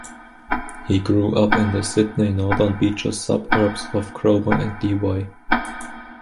He grew up in the Sydney northern beaches suburbs of Cromer and Dee Why.